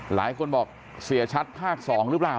หลายคนบอกเสียชัดภาค๒หรือเปล่า